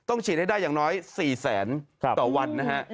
ต้องฉีดให้ได้อย่างน้อย๔๐๐๐๐๐ต่อวันนะฮะ